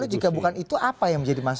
jika bukan itu apa yang menjadi masalah